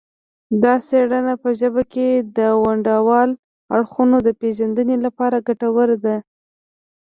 دا څیړنه په ژبه کې د ونډوالو اړخونو د پیژندنې لپاره ګټوره ده